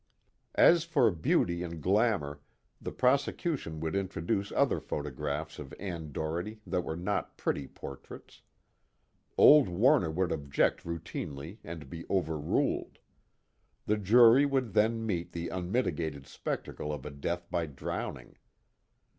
As for beauty and glamor, the prosecution would introduce other photographs of Ann Doherty that were no pretty portraits. Old Warner would object routinely and be overruled; the jury would then meet the unmitigated spectacle of a death by drowning.